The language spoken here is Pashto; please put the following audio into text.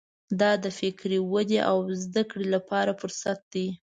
دا د فکري ودې او زده کړې لپاره فرصت دی.